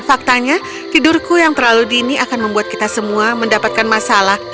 faktanya tidurku yang terlalu dini akan membuat kita semua mendapatkan masalah